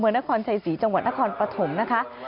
นครชัยศรีจังหวัดนครปฐมนะคะ